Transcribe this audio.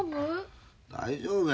大丈夫？